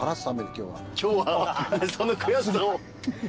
今日はその悔しさを。